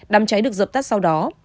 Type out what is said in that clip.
đám cháy được dập tắt sau đó